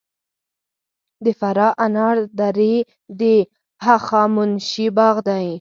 د فراه انار درې د هخامنشي باغ دی